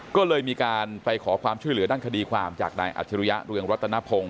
ก็เลยมีการไปขอความช่วยเหลือด้านคดีความจากนายอัจฉริยะเรืองรัตนพงศ์